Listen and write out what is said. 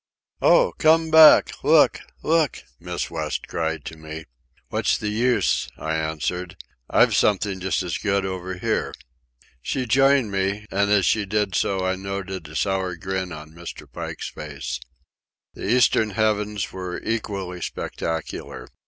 "Oh! Come back! Look! Look!" Miss West cried to me. "What's the use?" I answered. "I've something just as good over here." She joined me, and as she did so I noted, a sour grin on Mr. Pike's face. The eastern heavens were equally spectacular.